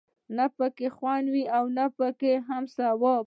نه پکې خوند وي او نه هم ثواب.